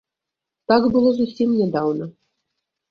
Так было зусім нядаўна.